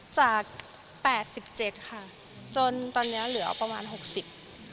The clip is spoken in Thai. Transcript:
จากแปดสิบเจ็ดค่ะจนตอนเนี้ยเหลือประมาณหกสิบ